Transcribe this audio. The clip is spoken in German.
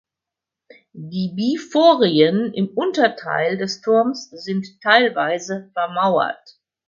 Die Biforien im Unterteil des Turms sind teilweise vermauert.